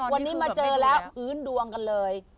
วันนี้มาเจอแล้วพื้นดวงกันเลย